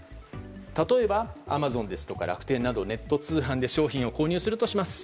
例えばアマゾンですとか楽天などネット通販で商品を購入するとします。